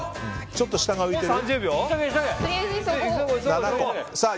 ちょっと下が浮いてる。